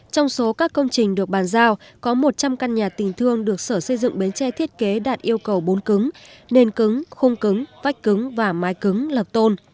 trong số các công trình được bàn giao có một trăm linh căn nhà tình thương được sở xây dựng bến tre thiết kế đạt yêu cầu bốn cứng nền cứng khung cứng vách cứng và mái cứng lật tôn